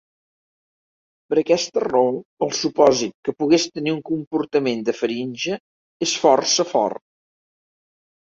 Per aquesta raó, el supòsit que pogués tenir un comportament de faringe és força fort.